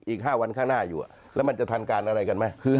อีก๕วันข้างหน้าอยู่แล้วมันจะทันการอะไรกันไหม